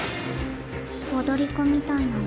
踊り子みたいなの。